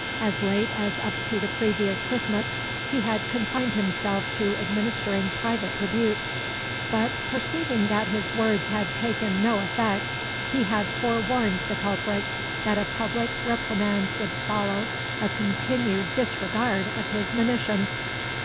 As late as up to the previous Christmas he had confined himself to administering private rebukes; but, perceiving that his words had taken no effect, he had forewarned the culprits that a public reprimand would follow a continued disregard of his monitions.